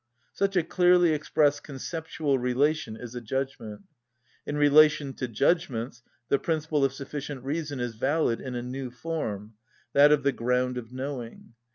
Such a clearly expressed conceptual relation is a judgment. In relation to judgments the principle of sufficient reason is valid in a new form: that of the ground of knowing.